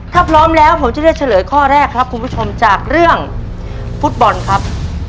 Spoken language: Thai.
ถ้าพร้อมแล้วผมจะเลือกเฉลยข้อแรกครับคุณผู้ชมจากเรื่องฟุตบอลครับ